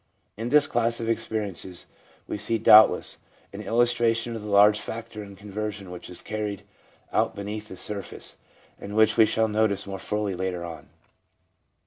In this class of experiences we see, doubtless, an illustration of the large factor in conversion EXPERIENCES PRECEDING CONVERSION 63 which is carried out beneath the surface, and which we shall notice more fully later on.